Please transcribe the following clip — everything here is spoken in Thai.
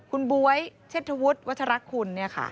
คุณบ๊วยเชษฐวุฒิวัชรคุณเนี่ยค่ะ